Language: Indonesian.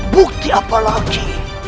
bukti apa lagi